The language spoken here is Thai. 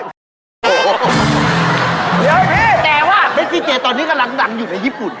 เดี๋ยวพี่แต่ว่าเมซิเจตอนนี้กำลังดังอยู่ในญี่ปุ่น